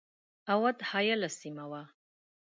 اَوَد حایله سیمه وه.